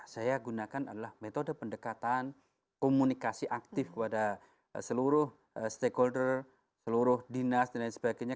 saya gunakan adalah metode pendekatan komunikasi aktif kepada seluruh stakeholder seluruh dinas dan lain sebagainya